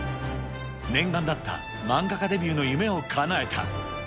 念願だった漫画家デビューの夢をかなえた。